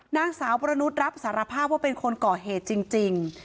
นางสาวบรนุษย์รับสารภาพว่าเป็นคนก่อเหตุจริง